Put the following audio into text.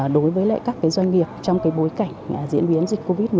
đối với các doanh nghiệp trong bối cảnh diễn biến dịch covid một mươi